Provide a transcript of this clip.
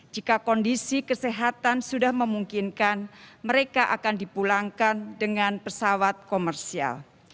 jika kondisi kesehatan sudah memungkinkan mereka akan dipulangkan dengan pesawat komersial